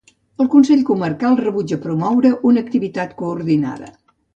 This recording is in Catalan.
El Consell Comarcal rebutja promoure una activitat coordinada.